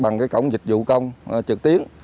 bằng cái cổng dịch vụ công trực tuyến